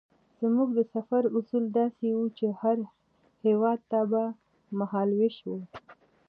زموږ د سفر اصول داسې وو چې هر هېواد ته به مهال وېش وو.